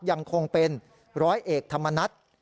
ยังคงเป็นร้อยเอกธรรมนัฐ